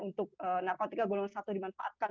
untuk narkotika golongan satu dimanfaatkan